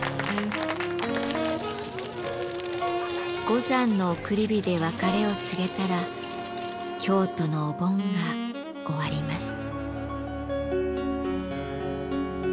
五山の送り火で別れを告げたら京都のお盆が終わります。